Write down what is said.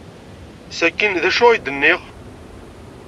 Sakkin d acu ay d-nniɣ?